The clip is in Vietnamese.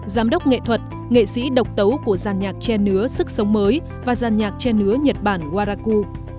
giám đốc nghệ thuật nghệ sĩ độc tấu của giàn nhạc che nứa sức sống mới và giàn nhạc che nứa nhật bản waraku